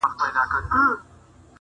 لکه ازغى مې په ککو کښې ماتېدل وختونه